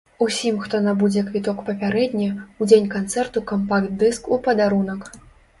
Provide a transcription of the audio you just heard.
Усім, хто набудзе квіток папярэдне, у дзень канцэрту кампакт-дыск у падарунак!